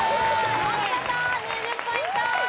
お見事２０ポイント！